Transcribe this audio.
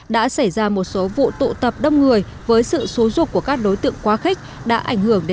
đã xảy ra một số vụ tụ tập đông người với sự số ruột của các đối tượng quá khích đã ảnh hưởng